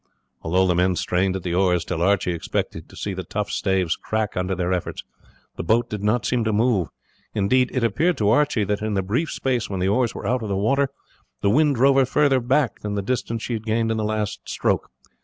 Although the men strained at the oars, till Archie expected to see the tough staves crack under their efforts, the boat did not seem to move. Indeed it appeared to Archie that in the brief space when the oars were out of the water the wind drove her further back than the distance she had gained in the last stroke.